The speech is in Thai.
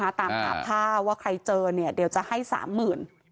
ตามหาผ้าว่าใครเจอเนี่ยเดี๋ยวจะให้สามหมื่น